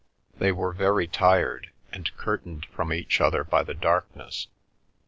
They were very tired, and curtained from each other by the darkness.